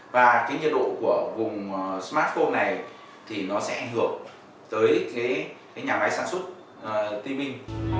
và cái nhiệt độ của vùng smartphone này thì nó sẽ ảnh hưởng tới cái nhà máy sản xuất tb